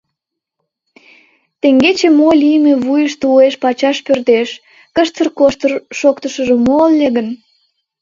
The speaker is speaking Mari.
Теҥгече мо лийме вуйышто уэш-пачаш пӧрдеш: «Кыштыр-коштыр шоктышыжо мо ыле гын?»